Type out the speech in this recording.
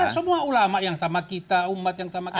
semua ulama yang sama kita umat yang sama kita